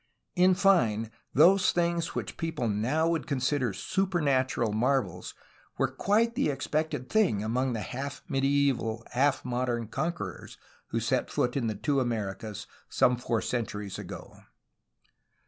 In fine, those things which people now would con sider supernatural marvels were quite the expected thing among the half medieval, half modern conquerors who set foot in the two Americas, some four centuries ago.